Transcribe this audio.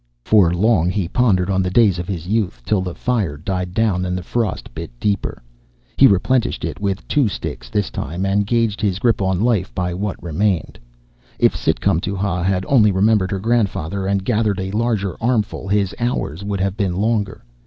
For long he pondered on the days of his youth, till the fire died down and the frost bit deeper. He replenished it with two sticks this time, and gauged his grip on life by what remained. If Sit cum to ha had only remembered her grandfather, and gathered a larger armful, his hours would have been longer.